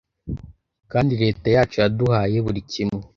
kandi reta yacu yaduhaye buri kimwe